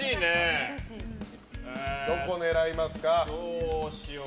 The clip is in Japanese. どこを狙いますか？